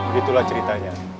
gitu lah ceritanya